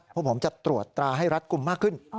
พวกผมจะตรวจตราให้รัฐกลุ่มมากขึ้น